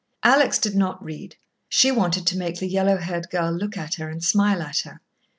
Alex did not read; she wanted to make the yellow haired girl look at her and smile at her.